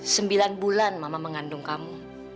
sembilan bulan mama mengandung kamu